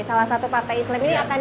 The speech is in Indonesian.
salah satu partai islam ini akan